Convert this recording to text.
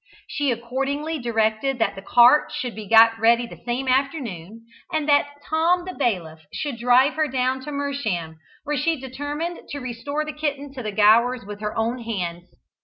She accordingly directed that the cart should be got ready the same afternoon, and that Tom the Bailiff should drive her down to Mersham, where she determined to restore the kitten to the Gowers with her own hands.